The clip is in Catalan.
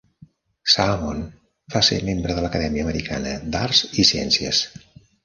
Salmon va ser membre de l'Acadèmia Americana d'Arts i Ciències.